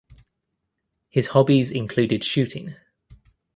His hobbies included shooting.